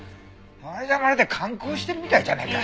それじゃまるで観光してるみたいじゃないか。